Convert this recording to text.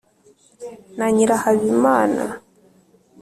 na nyirahabimana